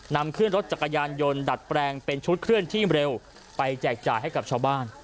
นำขึ้นรถจักรยานยนต์ดัดแปลงเป็นชุดเคลื่อนที่เร็วไปแจกจ่ายให้กับชาวบ้าน